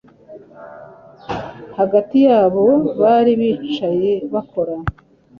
Hagati yabo bari bicaye bakora